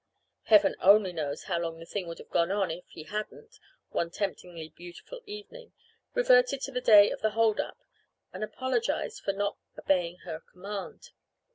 Heaven only knows how long the thing would have gone on if he hadn't, one temptingly beautiful evening, reverted to the day of the hold up and apologized for not obeying her command.